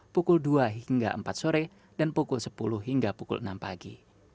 pukul dua hingga empat sore dan pukul sepuluh hingga pukul enam pagi